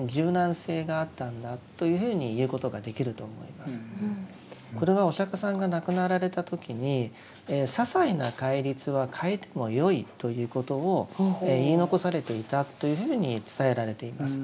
そういう意味では大変これはお釈迦さんが亡くなられた時に「ささいな戒律は変えてもよい」ということを言い残されていたというふうに伝えられています。